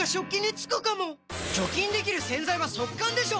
除菌できる洗剤は速乾でしょ！